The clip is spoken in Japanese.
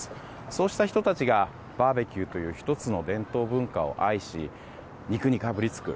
そうした人たちがバーベキューという１つの伝統文化を愛し肉にかぶりつく。